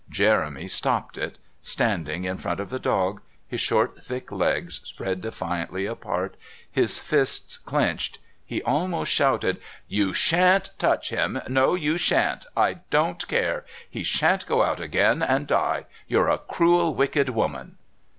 Jeremy stopped it. Standing in front of the dog, his short thick legs spread defiantly apart, his fists clenched, he almost shouted: "You shan't touch him.... No, you shan't. I don't care. He shan't go out again and die. You're a cruel, wicked woman."